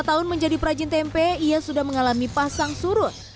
lima tahun menjadi perajin tempe ia sudah mengalami pasang surut